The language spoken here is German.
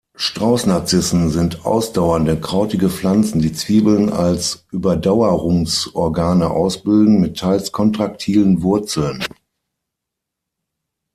Strauß-Narzissen sind ausdauernde krautige Pflanzen, die Zwiebeln als Überdauerungsorgane ausbilden, mit teils kontraktilen Wurzeln.